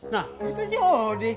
nah itu si odeh